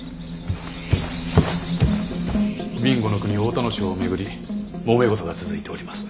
備後国太田荘を巡りもめ事が続いております。